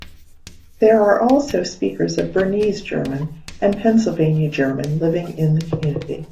There are also speakers of Bernese German and Pennsylvania German living in the community.